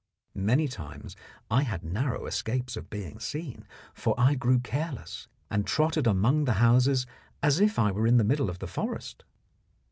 Many times I had narrow escapes of being seen, for I grew careless, and trotted among the houses as if I were in the middle of the forest.